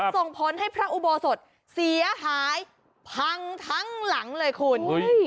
ส่งผลให้พระอุโบสถเสียหายพังทั้งหลังเลยคุณ